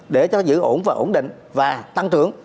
để cho giữ ổn và ổn định và tăng trưởng